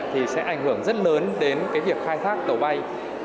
thì sẽ ảnh hưởng rất lớn đến việc khai thác đầu bay